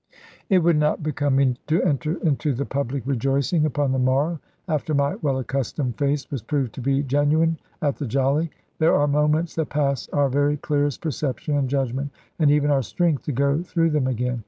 It would not become me to enter into the public rejoicing upon the morrow, after my well accustomed face was proved to be genuine at the "Jolly." There are moments that pass our very clearest perception, and judgment, and even our strength to go through them again.